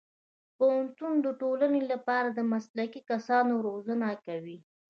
پوهنتون د ټولنې لپاره د مسلکي کسانو روزنه کوي.